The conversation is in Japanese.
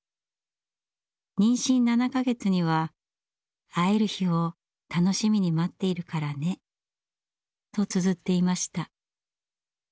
妊娠７か月には「会える日を楽しみに待っているからね」とつづっていました。